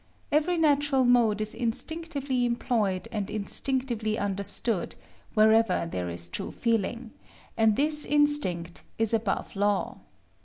Every natural mode is instinctively employed and instinctively understood, wherever there is true feeling; and this instinct is above law.